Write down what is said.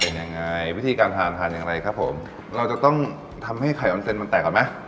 เป็นยังไงวิธีการทานทานอย่างไรครับผมเราจะต้องทำให้ไข่ออนเซ็นมันแตกก่อนไหม